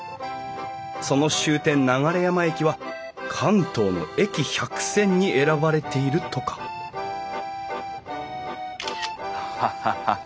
その終点流山駅は関東の駅百選に選ばれているとかハハハ。